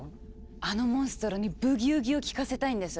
あのモンストロに「ブギウギ」を聞かせたいんです。